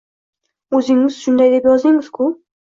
O`zingiz shunday deb yozgandingiz-ku